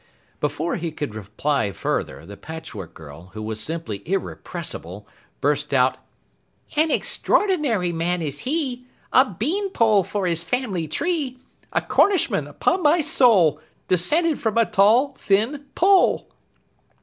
Before he could reply further, the Patchwork Girl, who was simply irrepressible, burst out: "An ex straw ordinary man is he! A bean pole for his family tree, A Cornishman, upon my soul, Descended from a tall, thin Pole!"